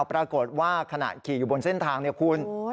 ปรากฏว่าขณะขี่อยู่บนเส้นทางเนี่ยคุณ